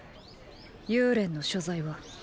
幽連の所在は？